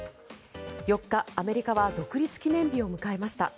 ４日、アメリカは独立記念日を迎えました。